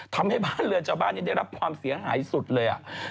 ทำให้บ้านเรือนชาวบ้านนี้ได้รับความเสียหายสุดเลย